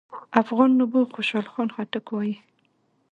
افغان نبوغ خوشحال خان خټک وايي: